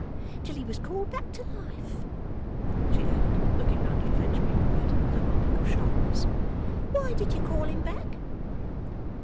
Till he was called back to life,' she added, looking round at Fledgeby with that lower look of sharpness. 'Why did you call him back?